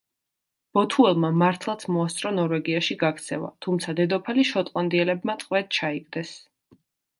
ბოთუელმა მართლაც მოასწრო ნორვეგიაში გაქცევა, თუმცა დედოფალი შოტლანდიელებმა ტყვედ ჩაიგდეს.